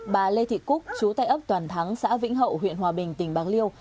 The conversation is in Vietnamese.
bà lê thị cúc chú tại ấp toàn thắng xã vĩnh hậu huyện hòa bình tỉnh bạc liêu